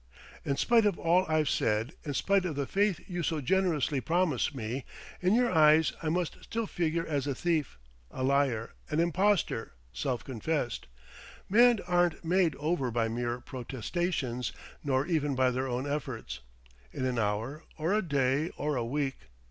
"In spite of all I've said, in spite of the faith you so generously promise me, in your eyes I must still figure as a thief, a liar, an impostor self confessed. Men aren't made over by mere protestations, nor even by their own efforts, in an hour, or a day, or a week.